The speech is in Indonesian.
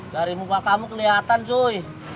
dari muka kamu kelihatan joy